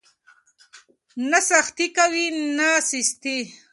نه سختي کوئ نه سستي.